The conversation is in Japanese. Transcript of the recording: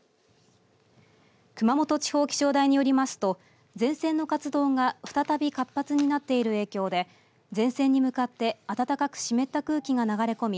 熊本地方気象台によりますと前線の活動が再び活発になっている影響で前線に向かって暖かく湿った空気が流れ込み